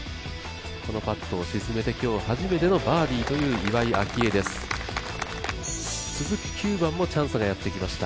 このパットを沈めて今日初めてのバーディーという岩井明愛です、続く９番もチャンスがやってきました。